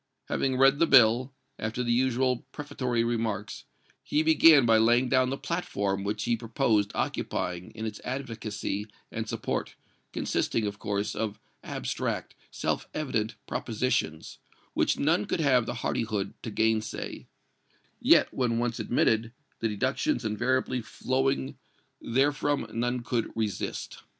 Having read the bill, after the usual prefatory remarks, he began by laying down the platform which he proposed occupying in its advocacy and support, consisting, of course, of abstract, self evident propositions, which none could have the hardihood to gainsay, yet, when once admitted, the deductions inevitably flowing therefrom none could resist.